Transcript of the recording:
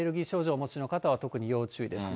お持ちの方は特に要注意ですね。